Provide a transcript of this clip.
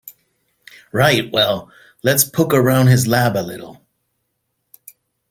Right, well let's poke around his lab a little.